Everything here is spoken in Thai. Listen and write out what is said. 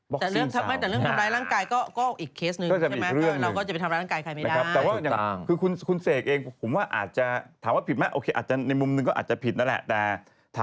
บอกซิงซาวน์นะฮะ